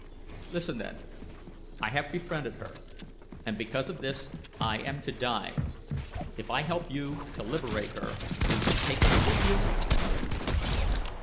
"Listen, then. I have befriended her, and because of this I am to die. If I help you to liberate her, will you take me with you?"